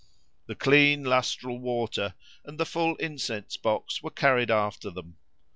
The clean lustral water and the full incense box were carried after them.